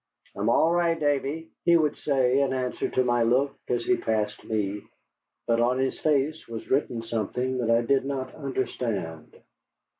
"I'm all right, Davy," he would say, in answer to my look as he passed me. But on his face was written something that I did not understand.